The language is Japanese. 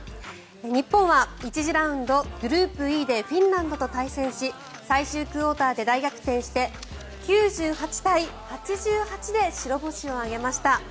日本は１次ラウンドグループＥでフィンランドと対戦し最終クオーターで大逆転して９８対８８で白星を挙げました。